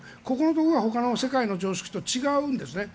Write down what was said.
ここがほかの世界の常識と違うんですね。